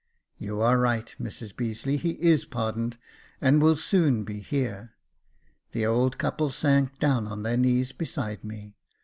You are right, Mrs Beazeley ; he is pardoned, and will soon be here." The old couple sank down on their knees beside me.